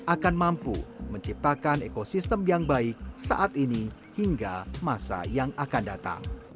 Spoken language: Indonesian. akan mampu menciptakan ekosistem yang baik saat ini hingga masa yang akan datang